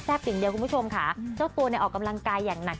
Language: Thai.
เจ้าตัวเล่าออกกำลังกายแโยงมากรายอย่างแหง